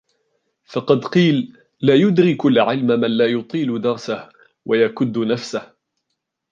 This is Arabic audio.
فَقَدْ قِيلَ لَا يُدْرِكُ الْعِلْمَ مَنْ لَا يُطِيلُ دَرْسَهُ ، وَيَكُدُّ نَفْسَهُ